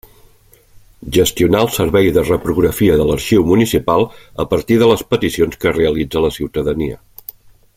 Gestionar el servei de reprografia de l'arxiu municipal a partir de les peticions que realitza la ciutadania.